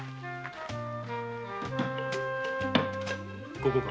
ここか？